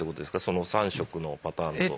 その３色のパターンと。